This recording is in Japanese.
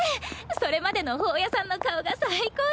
それまでの保谷さんの顔が最高で。